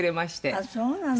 ああそうなの？